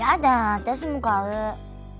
私も買う。